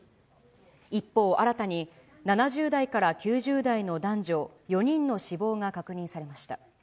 一方、新たに７０代から９０代の男女４人の死亡が確認されました。